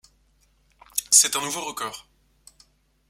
C'est un nouveau record.